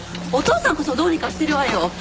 お父さんこそどうにかしてるわよ！